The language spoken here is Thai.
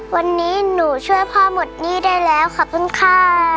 วันนี้หนูช่วยพ่อหมดหนี้ได้แล้วขอบคุณค่ะ